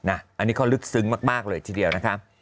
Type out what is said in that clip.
อันนี้เขาลึกซึ้งมากเลยทีเดียวนะคะ